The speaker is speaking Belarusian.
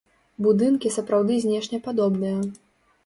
Будынкі сапраўды знешне падобныя.